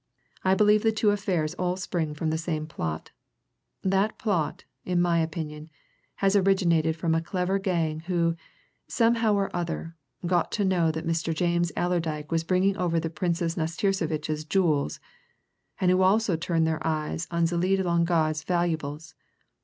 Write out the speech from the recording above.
"I believe the two affairs all spring from the same plot. That plot, in my opinion, has originated from a clever gang who, somehow or other, got to know that Mr. James Allerdyke was bringing over the Princess Nastirsevitch's jewels, and who also turned their eyes on Zélie de Longarde's valuables.